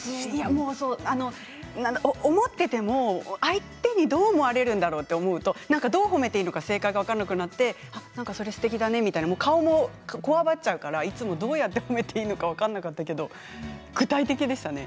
思っていても相手にどう思われるんだろうと思うとどう褒めていいのか正解が分からなくなってそれすてきだねと顔もこわばっちゃうからいつもどうやって褒めていいのか分からなかったけど具体的でしたね。